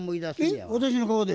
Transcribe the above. えっ私の顔で？